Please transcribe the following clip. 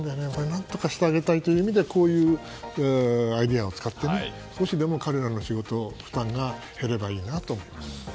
何とかしてあげたいという意味でこういうアイデアを使って少しでも彼らの仕事の負担が減ればいいなと思います。